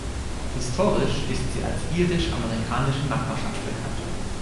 Historisch ist sie als irisch-amerikanische Nachbarschaft bekannt.